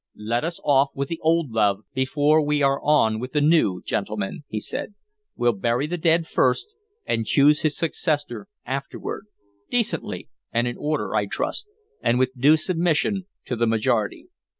"Let us off with the old love before we are on with the new, gentlemen," he said. "We'll bury the dead first, and choose his successor afterward, decently and in order, I trust, and with due submission to the majority."